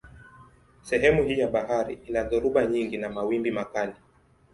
Sehemu hii ya bahari ina dhoruba nyingi na mawimbi makali.